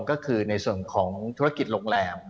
ก็คือในส่วนของธุรกิจโรงแรม